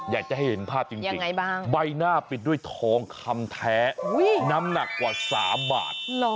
อยากจะให้เห็นภาพจริงใบหน้าปิดด้วยทองคำแท้น้ำหนักกว่า๓บาท